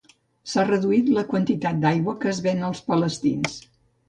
S'ha reduït la quantitat d'aigua que es ven als palestins.